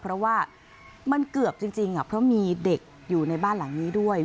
เพราะว่ามันเกือบจริงเพราะมีเด็กอยู่ในบ้านหลังนี้ด้วย